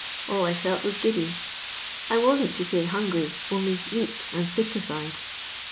All I felt was giddy ; I wam't to laj hungry, only weak and tieklified.